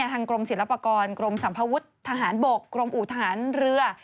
กรมศิลปากรกรมสัมภวุฒิทหารบกกรมอุทหารเรือ